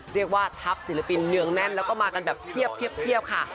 เรียกว่าทัพศิลปินเนืองแน่นแล้วก็มากันแบบเพียบค่ะ